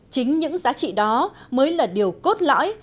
chính những giá trị đó mới là điều cốt lõi